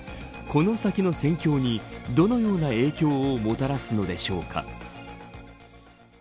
この先の戦況にどのような影響をもたらすのでしょうか。